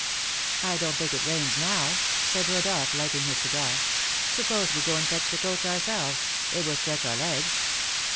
"I don't think it rains now," said Rodolph, lighting his cigar. "Suppose we go and fetch the coach ourselves, it will stretch our legs."